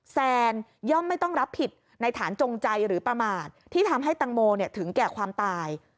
แซนย่อมไม่ต้องรับผิดในฐานจงใจหรือประมาทที่ทำให้ตังโมถึงแก่ความตาย